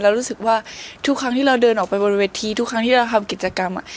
รู้สึกว่าทุกครั้งที่เราเดินออกไปบนเวทีทุกครั้งที่เราทำกิจกรรม